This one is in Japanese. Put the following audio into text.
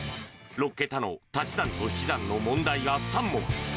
６桁のたし算とひき算の問題が３問。